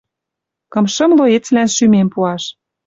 Кымшы млоецлӓн шӱмем пуаш.